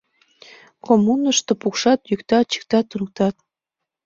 Коммунышто пукшат, йӱктат, чиктат, туныктат.